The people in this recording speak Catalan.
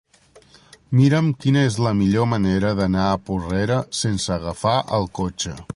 Mira'm quina és la millor manera d'anar a Porrera sense agafar el cotxe.